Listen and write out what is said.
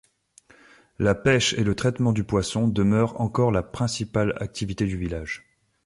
La pêche et le traitement du poisson demeurent encore la principale activité du village.